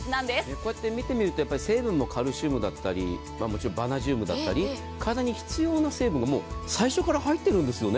こうやって見てみると成分もカルシウムだったりバナジウムだったり体に必要な成分が最初から入ってるんですよね。